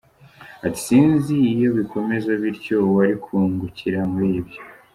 Ati “Sinzi iyo bikomeza bityo uwari kungukira muri ibyo.